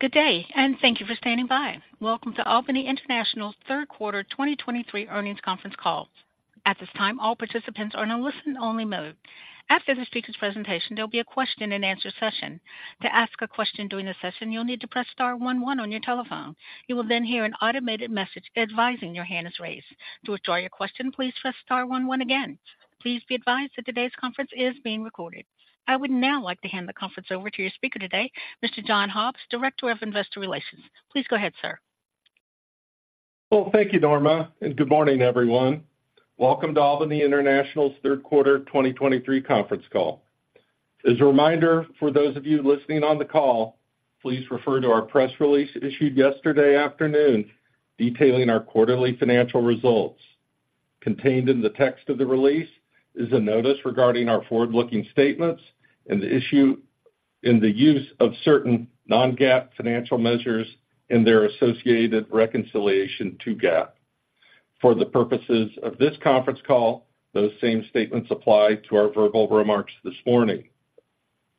Good day, and thank you for standing by. Welcome to Albany International's third quarter 2023 earnings conference call. At this time, all participants are in a listen-only mode. After the speaker's presentation, there'll be a question-and-answer session. To ask a question during the session, you'll need to press star one one on your telephone. You will then hear an automated message advising your hand is raised. To withdraw your question, please press star one one again. Please be advised that today's conference is being recorded. I would now like to hand the conference over to your speaker today, Mr. John Hobbs, Director of Investor Relations. Please go ahead, sir. Well, thank you, Norma, and good morning, everyone. Welcome to Albany International's third quarter 2023 conference call. As a reminder for those of you listening on the call, please refer to our press release issued yesterday afternoon, detailing our quarterly financial results. Contained in the text of the release is a notice regarding our forward-looking statements and the issues and the use of certain non-GAAP financial measures and their associated reconciliation to GAAP. For the purposes of this conference call, those same statements apply to our verbal remarks this morning.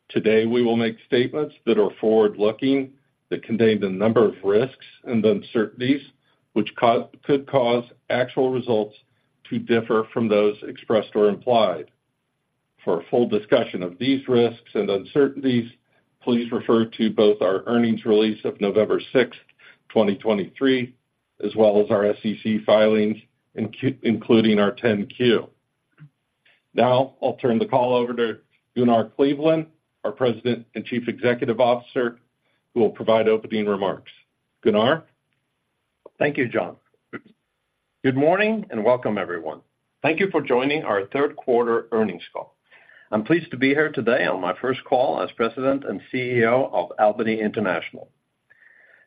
Today, we will make statements that are forward-looking, that contain the number of risks and uncertainties, which could cause actual results to differ from those expressed or implied. For a full discussion of these risks and uncertainties, please refer to both our earnings release of November sixth, 2023, as well as our SEC filings, including our 10-Q. Now, I'll turn the call over to Gunnar Kleveland, our President and Chief Executive Officer, who will provide opening remarks. Gunnar? Thank you, John. Good morning, and welcome, everyone. Thank you for joining our third quarter earnings call. I'm pleased to be here today on my first call as President and CEO of Albany International.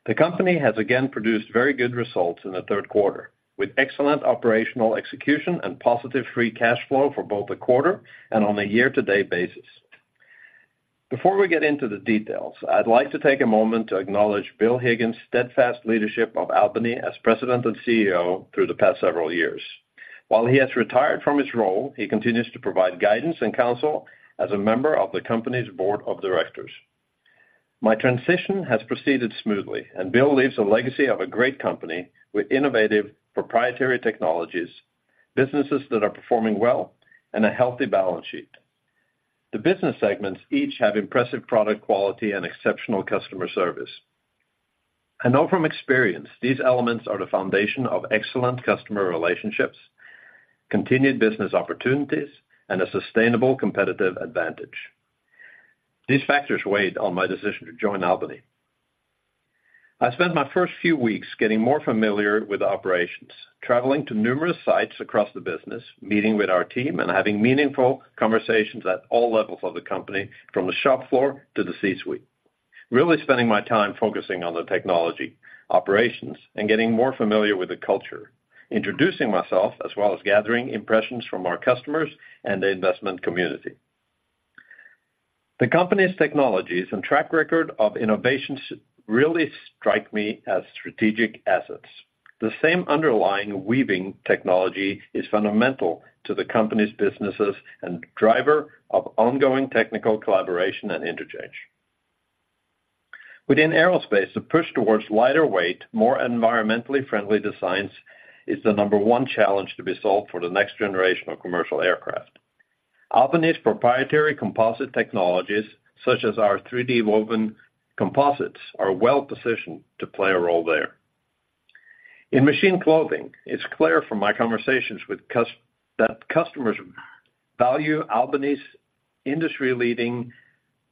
The company has again produced very good results in the third quarter, with excellent operational execution and positive free cash flow for both the quarter and on a year-to-date basis. Before we get into the details, I'd like to take a moment to acknowledge Bill Higgins' steadfast leadership of Albany as President and CEO through the past several years. While he has retired from his role, he continues to provide guidance and counsel as a member of the company's board of directors. My transition has proceeded smoothly, and Bill leaves a legacy of a great company with innovative proprietary technologies, businesses that are performing well, and a healthy balance sheet. The business segments each have impressive product quality and exceptional customer service. I know from experience, these elements are the foundation of excellent customer relationships, continued business opportunities, and a sustainable competitive advantage. These factors weighed on my decision to join Albany. I spent my first few weeks getting more familiar with the operations, traveling to numerous sites across the business, meeting with our team, and having meaningful conversations at all levels of the company, from the shop floor to the C-suite. Really spending my time focusing on the technology, operations, and getting more familiar with the culture, introducing myself, as well as gathering impressions from our customers and the investment community. The company's technologies and track record of innovations really strike me as strategic assets. The same underlying weaving technology is fundamental to the company's businesses and driver of ongoing technical collaboration and interchange. Within aerospace, the push towards lighter weight, more environmentally friendly designs is the number one challenge to be solved for the next generation of commercial aircraft. Albany's proprietary composite technologies, such as our 3D woven composites, are well-positioned to play a role there. In Machine Clothing, it's clear from my conversations with customers that customers value Albany's industry-leading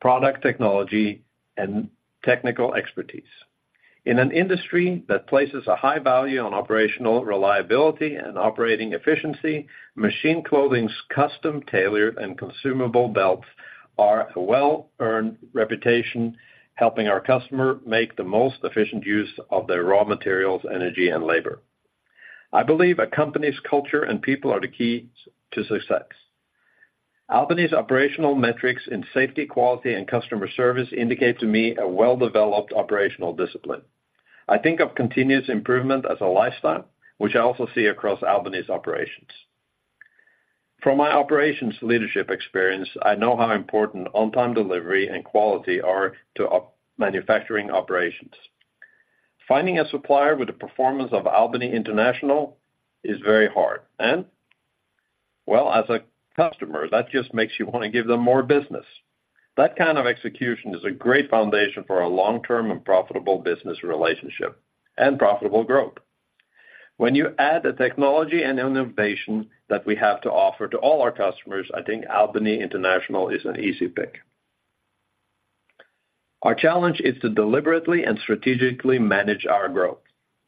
product technology and technical expertise. In an industry that places a high value on operational reliability and operating efficiency, Machine Clothing's custom, tailored, and consumable belts are a well-earned reputation, helping our customer make the most efficient use of their raw materials, energy, and labor. I believe a company's culture and people are the keys to success. Albany's operational metrics in safety, quality, and customer service indicate to me a well-developed operational discipline. I think of continuous improvement as a lifestyle, which I also see across Albany's operations. From my operations leadership experience, I know how important on-time delivery and quality are to a manufacturing operations. Finding a supplier with the performance of Albany International is very hard, and, well, as a customer, that just makes you want to give them more business. That kind of execution is a great foundation for a long-term and profitable business relationship and profitable growth. When you add the technology and innovation that we have to offer to all our customers, I think Albany International is an easy pick. Our challenge is to deliberately and strategically manage our growth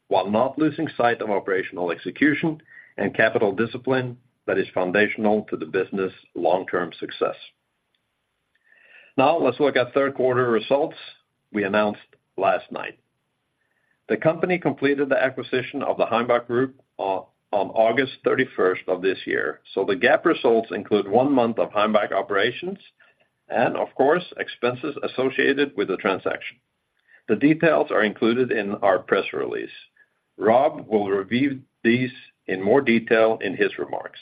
while not losing sight of operational execution and capital discipline that is foundational to the business' long-term success. Now, let's look at third quarter results we announced last night. The company completed the acquisition of the Heimbach Group on August 31 of this year, so the GAAP results include one month of Heimbach operations and, of course, expenses associated with the transaction. The details are included in our press release. Rob will review these in more detail in his remarks.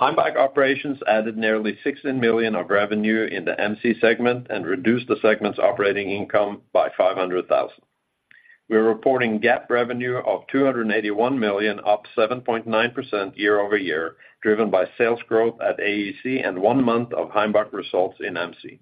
Heimbach operations added nearly $16 million of revenue in the MC segment and reduced the segment's operating income by $500,000. We're reporting GAAP revenue of $281 million, up 7.9% year-over-year, driven by sales growth at AEC and one month of Heimbach results in MC.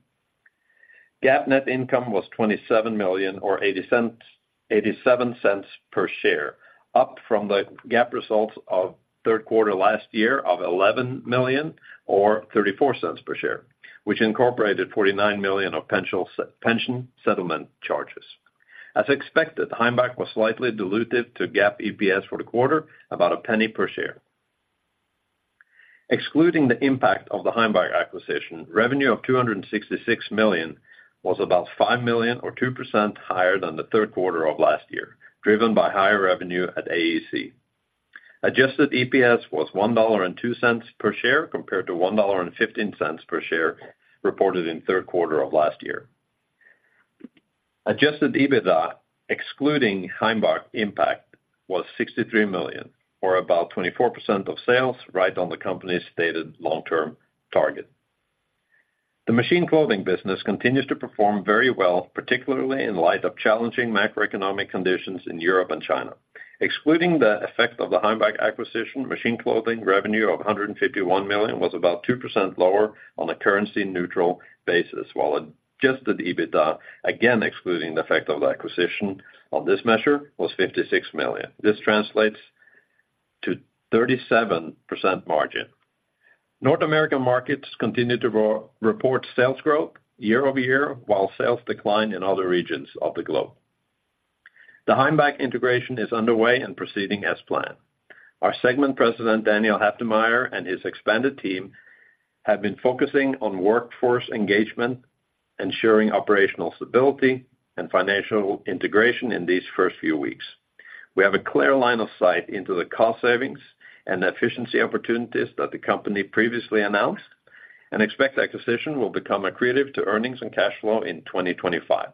GAAP net income was $27 million, or $0.87 per share, up from the GAAP results of third quarter last year of $11 million or $0.34 per share, which incorporated $49 million of pension settlement charges. As expected, Heimbach was slightly dilutive to GAAP EPS for the quarter, about $0.01 per share. Excluding the impact of the Heimbach acquisition, revenue of $266 million was about $5 million or 2% higher than the third quarter of last year, driven by higher revenue at AEC. Adjusted EPS was $1.02 per share, compared to $1.15 per share reported in third quarter of last year. Adjusted EBITDA, excluding Heimbach impact, was $63 million, or about 24% of sales, right on the company's stated long-term target. The machine clothing business continues to perform very well, particularly in light of challenging macroeconomic conditions in Europe and China. Excluding the effect of the Heimbach acquisition, Machine Clothing revenue of $151 million was about 2% lower on a currency-neutral basis, while adjusted EBITDA, again, excluding the effect of the acquisition on this measure, was $56 million. This translates to 37% margin. North American markets continued to report sales growth year-over-year, while sales declined in other regions of the globe. The Heimbach integration is underway and proceeding as planned. Our segment President, Daniel Halftermeyer, and his expanded team have been focusing on workforce engagement, ensuring operational stability and financial integration in these first few weeks. We have a clear line of sight into the cost savings and efficiency opportunities that the company previously announced and expect the acquisition will become accretive to earnings and cash flow in 2025.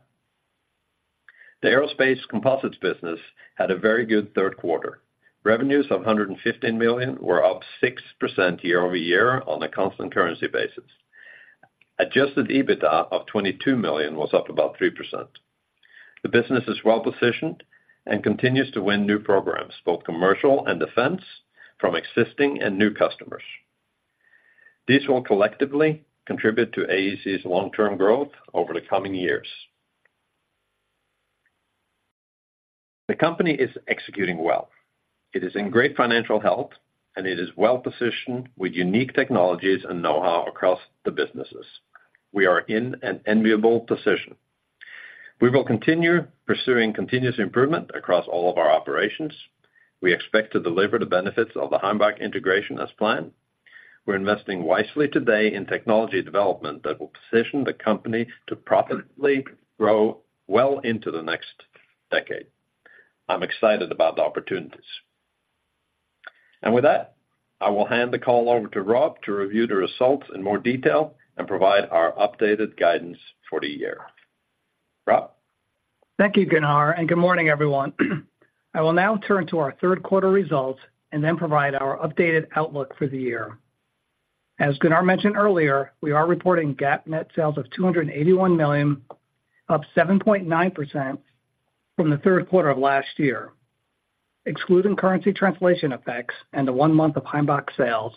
The aerospace composites business had a very good third quarter. Revenues of $115 million were up 6% year-over-year on a constant currency basis. Adjusted EBITDA of $22 million was up about 3%. The business is well positioned and continues to win new programs, both commercial and defense, from existing and new customers. These will collectively contribute to AEC's long-term growth over the coming years. The company is executing well. It is in great financial health, and it is well-positioned with unique technologies and know-how across the businesses. We are in an enviable position. We will continue pursuing continuous improvement across all of our operations. We expect to deliver the benefits of the Heimbach integration as planned. We're investing wisely today in technology development that will position the company to profitably grow well into the next decade. I'm excited about the opportunities. With that, I will hand the call over to Rob to review the results in more detail and provide our updated guidance for the year. Rob? Thank you, Gunnar, and good morning, everyone. I will now turn to our third quarter results and then provide our updated outlook for the year. As Gunnar mentioned earlier, we are reporting GAAP net sales of $281 million, up 7.9% from the third quarter of last year. Excluding currency translation effects and the one month of Heimbach sales,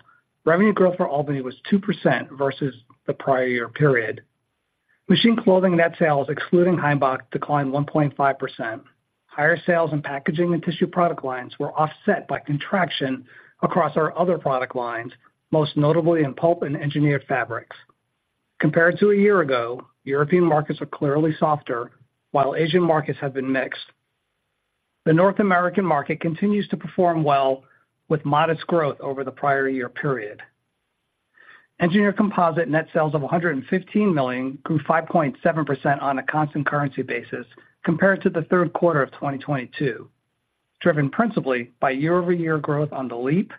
revenue growth for Albany was 2% versus the prior year period. Machine clothing net sales, excluding Heimbach, declined 1.5%. Higher sales in packaging and tissue product lines were offset by contraction across our other product lines, most notably in pulp and engineered fabrics. Compared to a year ago, European markets are clearly softer, while Asian markets have been mixed. The North American market continues to perform well, with modest growth over the prior year period. Engineered composites net sales of $115 million grew 5.7% on a constant currency basis compared to the third quarter of 2022, driven principally by year-over-year growth on the LEAP,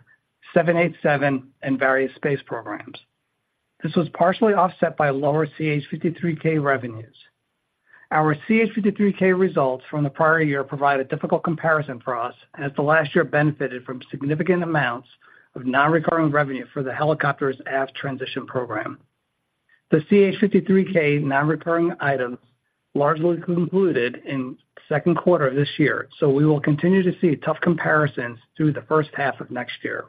787, and various space programs. This was partially offset by lower CH-53K revenues. Our CH-53K results from the prior year provide a difficult comparison for us, as the last year benefited from significant amounts of non-recurring revenue for the helicopters aft transition program. The CH-53K non-recurring items largely concluded in the second quarter of this year, so we will continue to see tough comparisons through the first half of next year.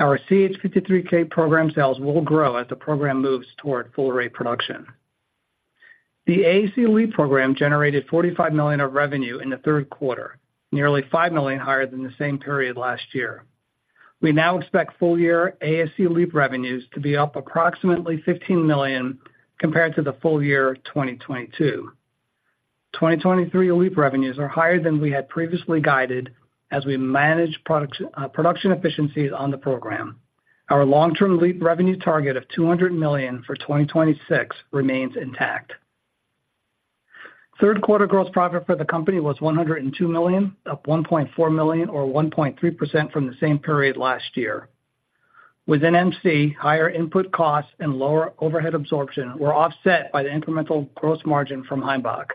Our CH-53K program sales will grow as the program moves toward full rate production. The AEC LEAP program generated $45 million of revenue in the third quarter, nearly $5 million higher than the same period last year. We now expect full-year AEC LEAP revenues to be up approximately $15 million compared to the full year 2022. 2023 LEAP revenues are higher than we had previously guided as we manage products, production efficiencies on the program. Our long-term LEAP revenue target of $200 million for 2026 remains intact. Third quarter gross profit for the company was $102 million, up $1.4 million, or 1.3% from the same period last year. Within MC, higher input costs and lower overhead absorption were offset by the incremental gross margin from Heimbach.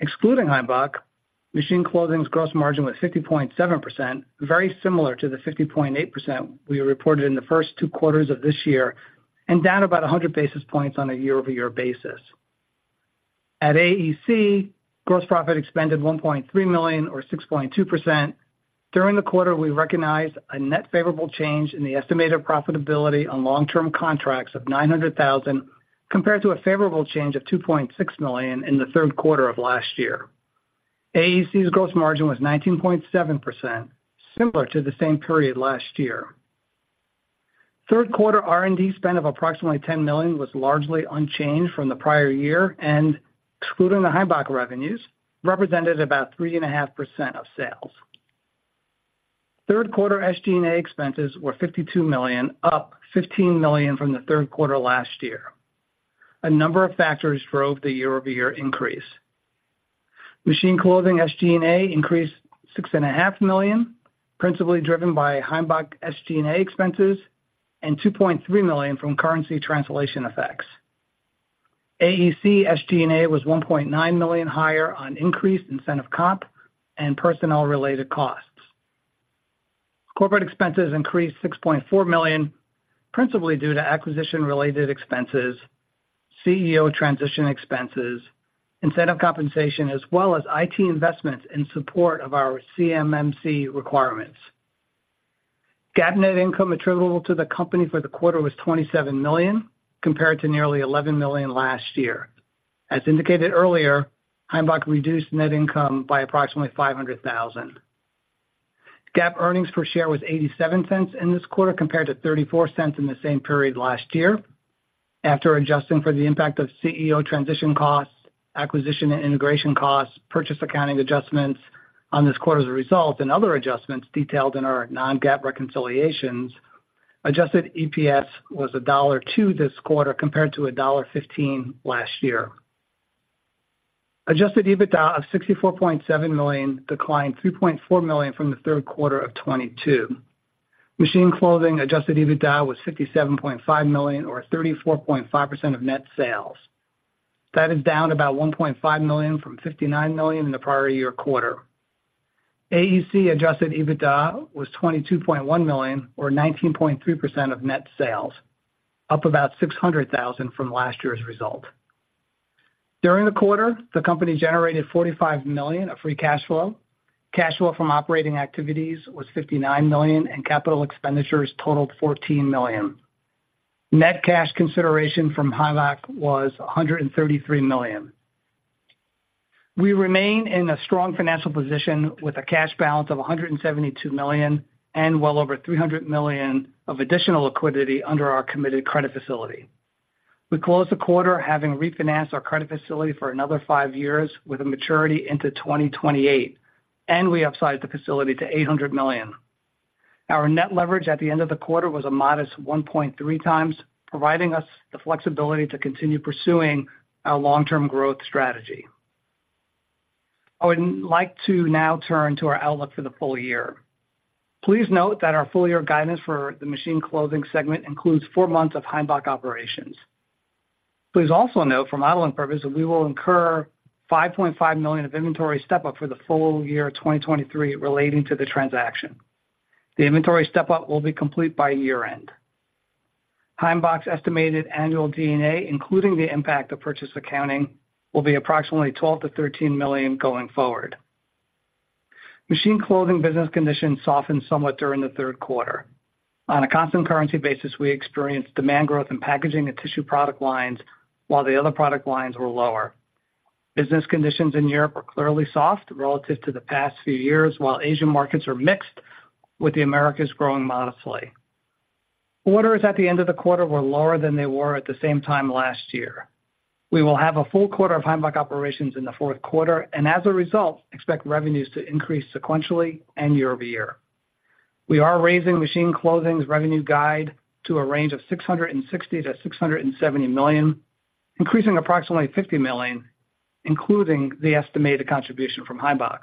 Excluding Heimbach, Machine Clothing's gross margin was 50.7%, very similar to the 50.8% we reported in the first two quarters of this year, and down about 100 basis points on a year-over-year basis. At AEC, gross profit expanded $1.3 million, or 6.2%. During the quarter, we recognized a net favorable change in the estimated profitability on long-term contracts of $900,000, compared to a favorable change of $2.6 million in the third quarter of last year. AEC's gross margin was 19.7%, similar to the same period last year. Third quarter R&D spend of approximately $10 million was largely unchanged from the prior year, and excluding the Heimbach revenues, represented about 3.5% of sales. Third quarter SG&A expenses were $52 million, up $15 million from the third quarter last year. A number of factors drove the year-over-year increase. Machine Clothing SG&A increased $6.5 million, principally driven by Heimbach SG&A expenses and $2.3 million from currency translation effects. AEC SG&A was $1.9 million higher on increased incentive comp and personnel-related costs. Corporate expenses increased $6.4 million, principally due to acquisition-related expenses, CEO transition expenses, incentive compensation, as well as IT investments in support of our CMMC requirements. GAAP net income attributable to the company for the quarter was $27 million, compared to nearly $11 million last year. As indicated earlier, Heimbach reduced net income by approximately $500,000. GAAP earnings per share was $0.87 in this quarter, compared to $0.34 in the same period last year. After adjusting for the impact of CEO transition costs, acquisition and integration costs, purchase accounting adjustments on this quarter's result, and other adjustments detailed in our non-GAAP reconciliations, adjusted EPS was $1.02 this quarter, compared to $1.15 last year. Adjusted EBITDA of $64.7 million declined $3.4 million from the third quarter of 2022. Machine Clothing adjusted EBITDA was $67.5 million, or 34.5% of net sales. That is down about $1.5 million from $59 million in the prior year quarter. AEC adjusted EBITDA was $22.1 million, or 19.3% of net sales, up about $600,000 from last year's result. During the quarter, the company generated $45 million of free cash flow. Cash flow from operating activities was $59 million, and capital expenditures totaled $14 million. Net cash consideration from Heimbach was $133 million. We remain in a strong financial position with a cash balance of $172 million and well over $300 million of additional liquidity under our committed credit facility. We closed the quarter having refinanced our credit facility for another five years with a maturity into 2028, and we upsized the facility to $800 million. Our net leverage at the end of the quarter was a modest 1.3 times, providing us the flexibility to continue pursuing our long-term growth strategy. I would like to now turn to our outlook for the full year. Please note that our full-year guidance for the Machine Clothing segment includes four months of Heimbach operations. Please also note, for modeling purposes, we will incur $5.5 million of inventory step-up for the full year of 2023 relating to the transaction. The inventory step-up will be complete by year-end. Heimbach's estimated annual G&A, including the impact of purchase accounting, will be approximately $12 million-$13 million going forward. Machine Clothing business conditions softened somewhat during the third quarter. On a constant currency basis, we experienced demand growth in packaging and tissue product lines, while the other product lines were lower. Business conditions in Europe are clearly soft relative to the past few years, while Asian markets are mixed, with the Americas growing modestly. Orders at the end of the quarter were lower than they were at the same time last year. We will have a full quarter of Heimbach operations in the fourth quarter, and as a result, expect revenues to increase sequentially and year-over-year. We are raising Machine Clothing's revenue guide to a range of $660 million-$670 million, increasing approximately $50 million, including the estimated contribution from Heimbach.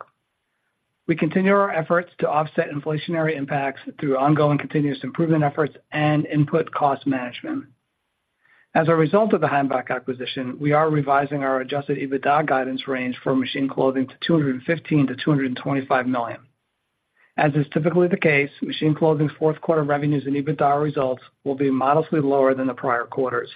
We continue our efforts to offset inflationary impacts through ongoing continuous improvement efforts and input cost management. As a result of the Heimbach acquisition, we are revising our adjusted EBITDA guidance range for Machine Clothing to $215 million-$225 million. As is typically the case, Machine Clothing's fourth quarter revenues and EBITDA results will be modestly lower than the prior quarters.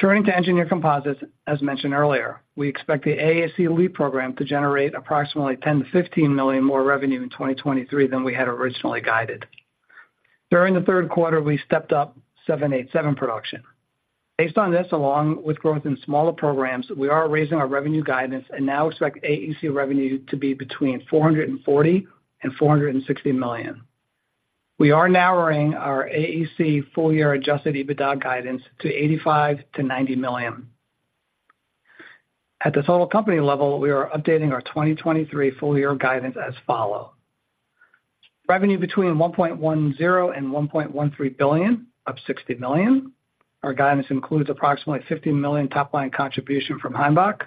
Turning to Engineered Composites, as mentioned earlier, we expect the AEC LEAP program to generate approximately $10 million-$15 million more revenue in 2023 than we had originally guided. During the third quarter, we stepped up 787 production. Based on this, along with growth in smaller programs, we are raising our revenue guidance and now expect AEC revenue to be between $440 million and $460 million. We are narrowing our AEC full-year adjusted EBITDA guidance to $85 million-$90 million. At the total company level, we are updating our 2023 full year guidance as follows: Revenue between $1.10 billion and $1.13 billion, up $60 million. Our guidance includes approximately $50 million top-line contribution from Heimbach.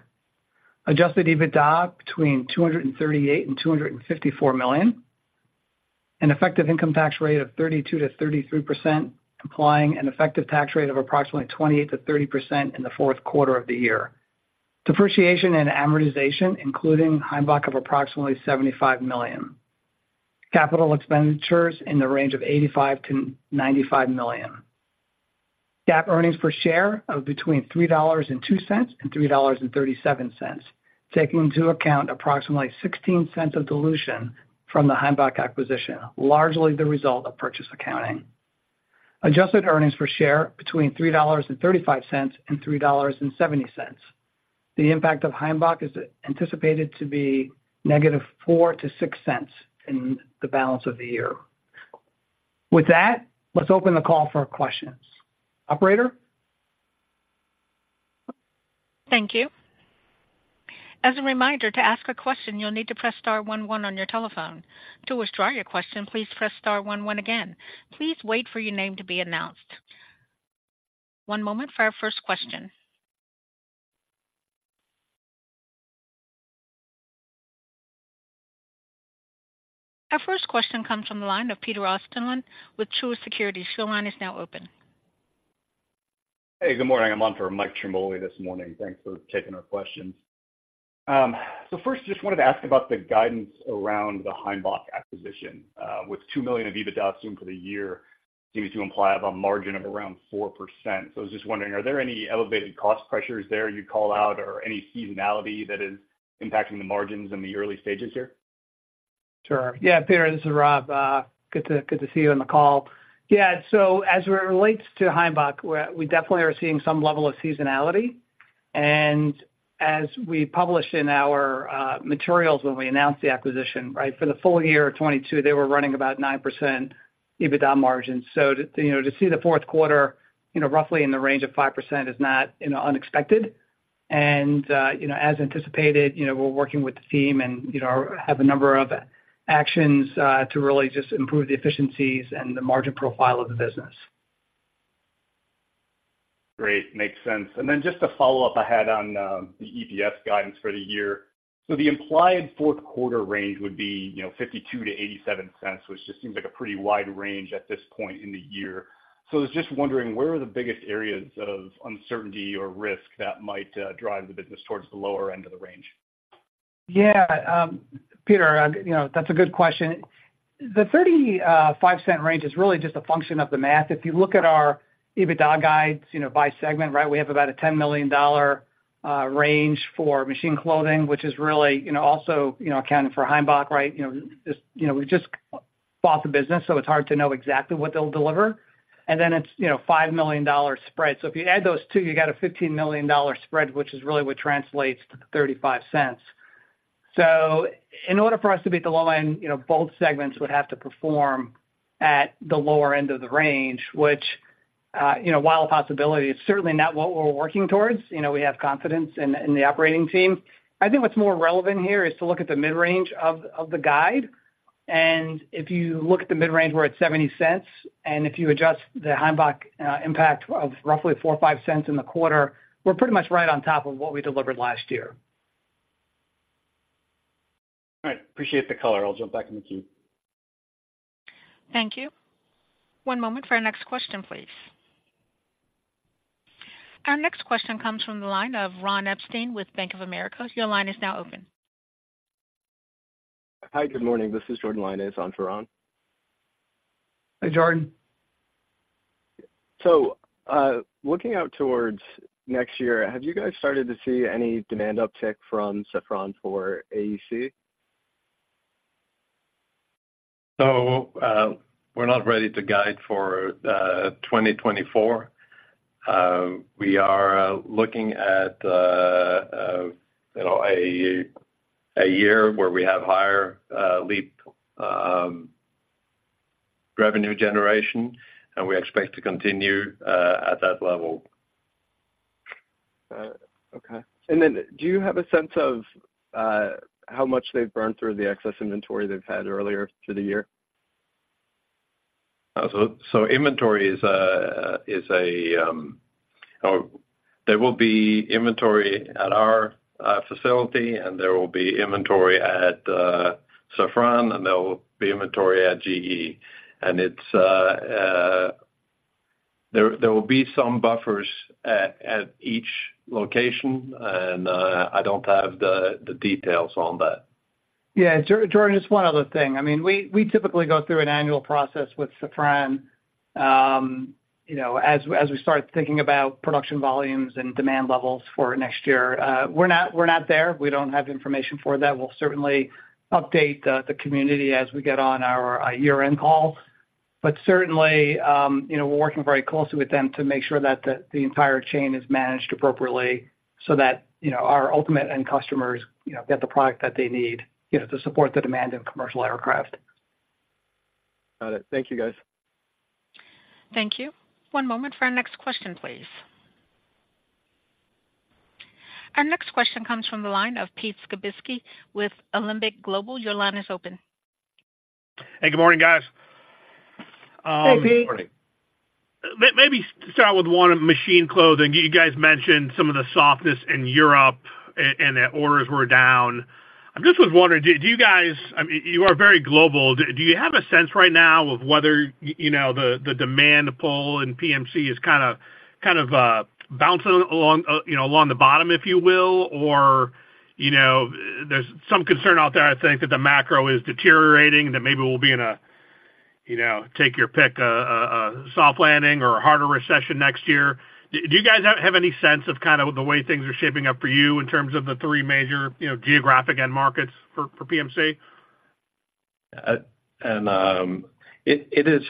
Adjusted EBITDA between $238 million and $254 million. An effective income tax rate of 32%-33%, implying an effective tax rate of approximately 28%-30% in the fourth quarter of the year. Depreciation and amortization, including Heimbach, of approximately $75 million. Capital expenditures in the range of $85 million-$95 million. GAAP earnings per share of between $3.02 and $3.37, taking into account approximately $0.16 of dilution from the Heimbach acquisition, largely the result of purchase accounting. Adjusted earnings per share between $3.35 and $3.70. The impact of Heimbach is anticipated to be -$0.04-$0.06 in the balance of the year. With that, let's open the call for questions. Operator? Thank you. As a reminder, to ask a question, you'll need to press star one one on your telephone. To withdraw your question, please press star one one again. Please wait for your name to be announced. One moment for our first question. Our first question comes from the line of Pete Osterland with Truist Securities. Your line is now open. Hey, good morning. I'm on for Mike Trimboli this morning. Thanks for taking our questions. So first, just wanted to ask about the guidance around the Heimbach acquisition. With $2 million of EBITDA assumed for the year, seems to imply of a margin of around 4%. So I was just wondering, are there any elevated cost pressures there you'd call out, or any seasonality that is impacting the margins in the early stages here? Sure. Yeah, Pete, this is Rob. Good to see you on the call. Yeah, so as it relates to Heimbach, we definitely are seeing some level of seasonality. And as we published in our materials when we announced the acquisition, right? For the full year of 2022, they were running about 9% EBITDA margins. So, to see the fourth quarter roughly in the range of 5% is not unexpected. As anticipated, we're working with the team and have a number of actions to really just improve the efficiencies and the margin profile of the business. Great, makes sense. And then just to follow up, I had on, the EPS guidance for the year. So the implied fourth quarter range would be, you know, $0.52-$0.87, which just seems like a pretty wide range at this point in the year. So I was just wondering, where are the biggest areas of uncertainty or risk that might, drive the business towards the lower end of the range? Yeah, Pete, that's a good question. The $0.35 range is really just a function of the math. If you look at our EBITDA guides by segment, right? We have about a $10 million range for Machine Clothing, which is really also accounting for Heimbach, right? We just bought the business, so it's hard to know exactly what they'll deliver. And then it's $5 million spread. So if you add those two, you get a $15 million spread, which is really what translates to the $0.35. So in order for us to be at the low end both segments would have to perform at the lower end of the range, which while a possibility, it's certainly not what we're working towards. We have confidence in the operating team. I think what's more relevant here is to look at the mid-range of the guide, and if you look at the mid-range, we're at $0.70, and if you adjust the Heimbach impact of roughly $0.04 or $0.05 in the quarter, we're pretty much right on top of what we delivered last year. All right. Appreciate the color. I'll jump back in the queue. Thank you. One moment for our next question, please. Our next question comes from the line of Ron Epstein with Bank of America. Your line is now open. Hi, good morning. This is Jordan Lyonnais on for Ron. Hi, Jordan. So, looking out towards next year, have you guys started to see any demand uptick from Safran for AEC? So, we're not ready to guide for 2024. We are looking at a year where we have higher LEAP revenue generation, and we expect to continue at that level. Okay. And then do you have a sense of how much they've burned through the excess inventory they've had earlier through the year? So, inventory is a. There will be inventory at our facility, and there will be inventory at Safran, and there will be inventory at GE. And it's there will be some buffers at each location, and I don't have the details on that. Yeah, Jordan, just one other thing. I mean, we typically go through an annual process with Safran, as we start thinking about production volumes and demand levels for next year. We're not there. We don't have information for that. We'll certainly update the community as we get on our year-end call. But certainly, we're working very closely with them to make sure that the entire chain is managed appropriately, so that our ultimate end customers get the product that they need to support the demand in commercial aircraft. Got it. Thank you, guys. Thank you. One moment for our next question, please. Our next question comes from the line of Pete Skibitski with Alembic Global. Your line is open. Hey, good morning, guys.... Hey, Pete. Morning. Maybe start with one, Machine Clothing. You guys mentioned some of the softness in Europe and that orders were down. I just was wondering, do you guys—I mean, you are very global. Do you have a sense right now of whether the demand pull in PMC is kind of bouncing along the bottom, if you will? Or, there's some concern out there, I think, that the macro is deteriorating, that maybe we'll be in a take your pick, a soft landing or a harder recession next year. Do you guys have any sense of kind of the way things are shaping up for you in terms of the three major geographic end markets for PMC? It is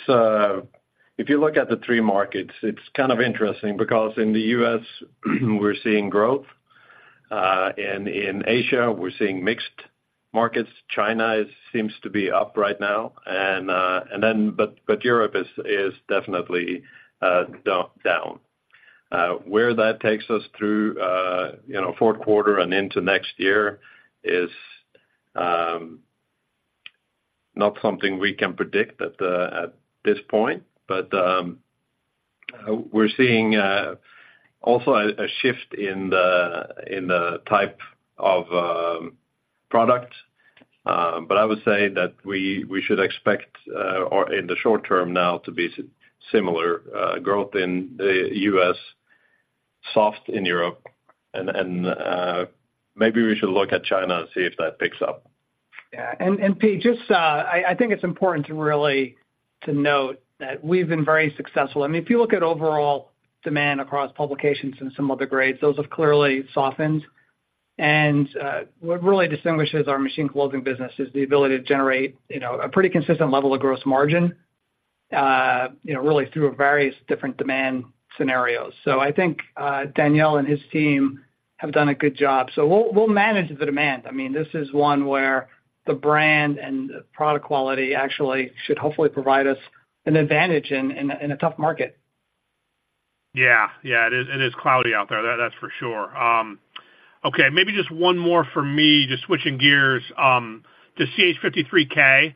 if you look at the three markets; it's kind of interesting because in the U.S., we're seeing growth. In Asia, we're seeing mixed markets. China seems to be up right now, but Europe is definitely down. Where that takes us through you know fourth quarter and into next year is not something we can predict at this point. But we're seeing also a shift in the type of product. But I would say that we should expect or in the short term now to be similar growth in the U.S., soft in Europe, and maybe we should look at China and see if that picks up. Yeah. And, Pete, just, I think it's important to really to note that we've been very successful. I mean, if you look at overall demand across publications and some other grades, those have clearly softened. And, what really distinguishes our Machine Clothing business is the ability to generate a pretty consistent level of gross margin really through various different demand scenarios. So I think, Daniel and his team have done a good job. So we'll manage the demand. I mean, this is one where the brand and product quality actually should hopefully provide us an advantage in a tough market. Yeah. It is cloudy out there. That's for sure. Okay, maybe just one more for me, just switching gears, to CH-53K.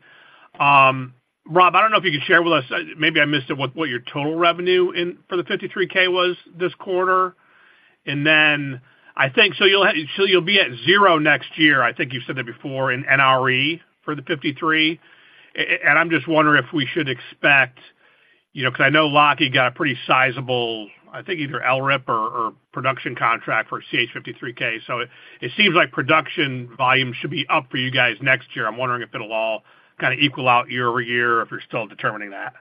Rob, I don't know if you can share with us, maybe I missed it, what your total revenue in—for the 53K was this quarter. And then, I think, so you'll have—so you'll be at zero next year, I think you've said that before, in NRE for the 53. And I'm just wondering if we should expect, you know, because I know Lockheed got a pretty sizable, I think, either LRIP or production contract for CH-53K. So it seems like production volume should be up for you guys next year. I'm wondering if it'll all kinda equal out year-over-year, or if you're still determining that.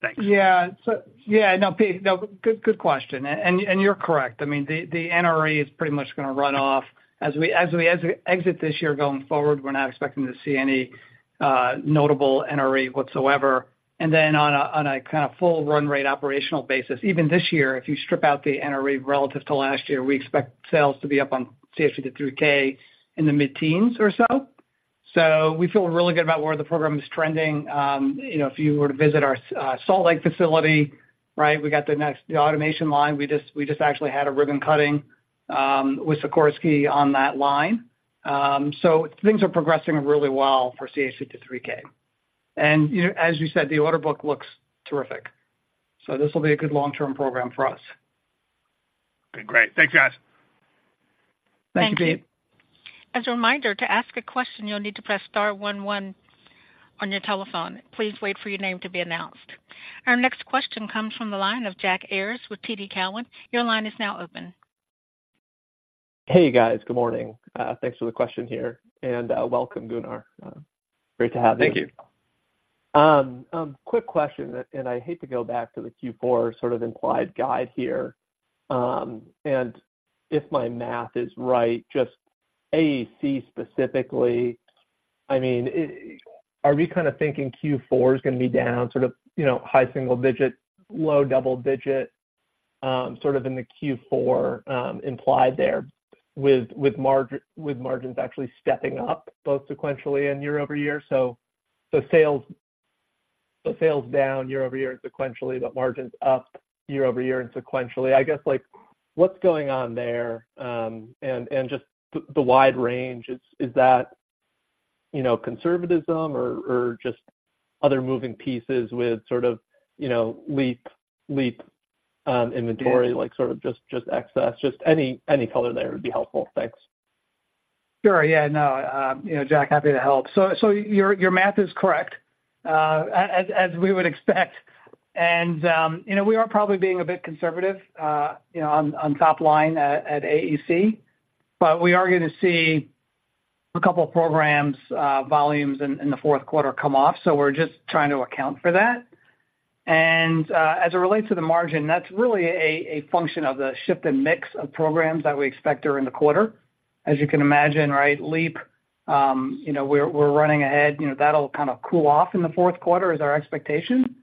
Thanks. Yeah. So, yeah, no, Pete, no, good question. And you're correct. I mean, the NRE is pretty much gonna run off. As we exit this year, going forward, we're not expecting to see any notable NRE whatsoever. And then on a kind of full run rate operational basis, even this year, if you strip out the NRE relative to last year, we expect sales to be up on CH-53K in the mid-teens or so. So we feel really good about where the program is trending. If you were to visit our Salt Lake facility, right? We got the next automation line. We just actually had a ribbon cutting with Sikorsky on that line. So things are progressing really well for CH-53K. You know, as you said, the order book looks terrific. This will be a good long-term program for us. Okay, great. Thanks, guys. Thank you, Pete. As a reminder, to ask a question, you'll need to press star one one on your telephone. Please wait for your name to be announced. Our next question comes from the line of Jack Ayers with TD Cowen. Your line is now open. Hey, guys. Good morning. Thanks for the question here, and welcome, Gunnar. Great to have you. Thank you. Quick question, and I hate to go back to the Q4 sort of implied guide here. And if my math is right, just AEC specifically, I mean, are we kind of thinking Q4 is gonna be down sort of, high single digit, low double digit, sort of in the Q4, implied there, with, with margin, with margins actually stepping up both sequentially and year-over-year? So, so sales, so sales down year-over-year and sequentially, but margins up year-over-year and sequentially. I guess, like, what's going on there? And, and just the, the wide range, is that, conservatism or just other moving pieces with sort of LEAP, inventory, like, sort of just, just excess? Just any, any color there would be helpful. Thanks. Sure. Yeah. No, Jack, happy to help. So, your math is correct, as we would expect. And, we are probably being a bit conservative, you know, on top line at AEC, but we are gonna see a couple of programs, volumes in the fourth quarter come off, so we're just trying to account for that. And, as it relates to the margin, that's really a function of the shift in mix of programs that we expect during the quarter. As you can imagine, right, LEAP, we're running ahead. You know, that'll kind of cool off in the fourth quarter, is our expectation.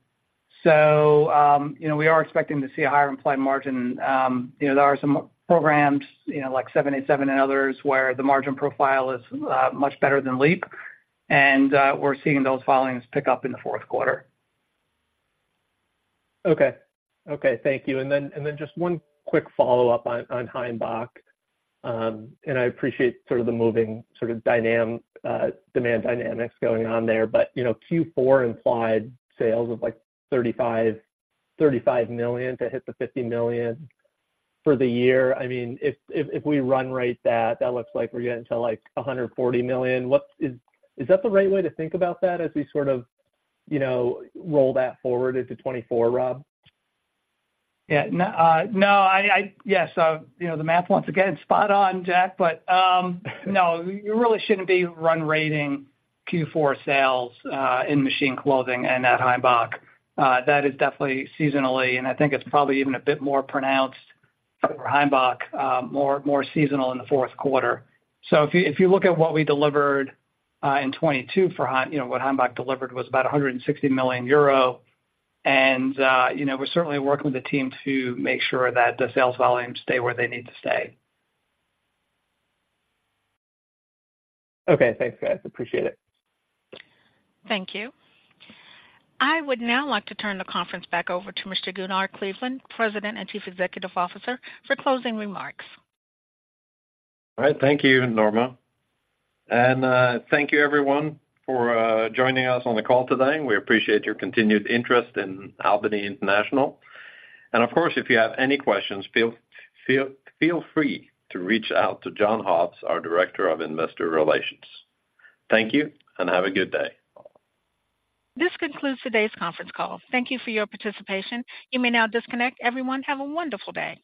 So, you know, we are expecting to see a higher implied margin. There are some programs, like 787 and others, where the margin profile is much better than LEAP, and we're seeing those volumes pick up in the fourth quarter. Okay. Thank you. And then just one quick follow-up on Heimbach. And I appreciate sort of the moving sort of demand dynamics going on there, but you know, Q4 implied sales of, like, $35, $35 million to hit the $50 million for the year. I mean, if we run rate that, that looks like we're getting to, like, $140 million. What is, is that the right way to think about that as we sort of you know, roll that forward into 2024, Rob? Yeah. No, no, Yes, you know, the math once again, spot on, Jack. But, no, you really shouldn't be run-rating Q4 sales in Machine Clothing and at Heimbach. That is definitely seasonally, and I think it's probably even a bit more pronounced for Heimbach, more seasonal in the fourth quarter. So if you look at what we delivered in 2022 for Heimbach, you know, what Heimbach delivered, was about 160 million euro. And, you know, we're certainly working with the team to make sure that the sales volumes stay where they need to stay. Okay. Thanks, guys. Appreciate it. Thank you. I would now like to turn the conference back over to Mr. Gunnar Kleveland, President and Chief Executive Officer, for closing remarks. All right. Thank you, Norma. Thank you everyone for joining us on the call today. We appreciate your continued interest in Albany International. Of course, if you have any questions, feel free to reach out to John Hobbs, our Director of Investor Relations. Thank you, and have a good day. This concludes today's conference call. Thank you for your participation. You may now disconnect. Everyone, have a wonderful day.